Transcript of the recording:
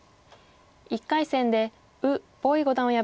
１回戦で呉柏毅五段を破り